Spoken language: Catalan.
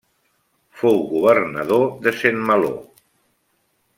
Fou governador de Saint-Malo.